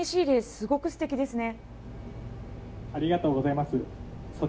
すごく素敵ですね。